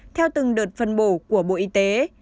theo từng đợt phân bổ của bộ y tế